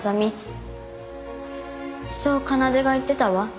そう奏が言ってたわ。